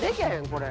これ。